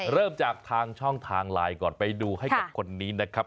เริ่มจากทางช่องทางไลน์ก่อนไปดูให้กับคนนี้นะครับ